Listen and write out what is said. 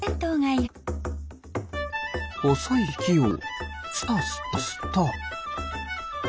ほそいくきをスタスタスタ。